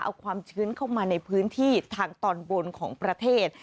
เอาความชื้นเข้ามาในพื้นที่ทางตอนบนของประเทศ